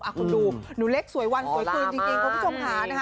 คุณดูหนูเล็กสวยวันสวยคืนจริงคุณผู้ชมค่ะนะคะ